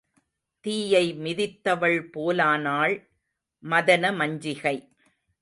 தீயை மிதித்தவள் போலானாள் மதனமஞ்சிகை.